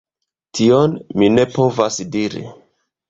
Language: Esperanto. Tion mi ne povas diri.